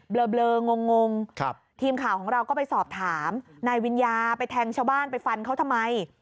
ลองงทีมข่าวของเราก็ไปสอบถามนายวิญญาไปแทงชาวบ้านไปฟันเขาทำไม